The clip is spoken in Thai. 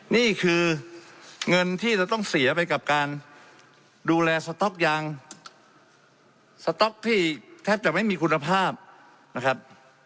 นี่คือเงินที่จะต้องเสียไปกับการดูแลสต๊อกยางสต๊อกที่แทบจะไม่มีคุณภาพนะครับ